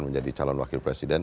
menjadi calon wakil presiden